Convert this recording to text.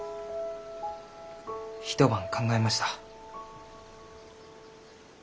一晩考えました。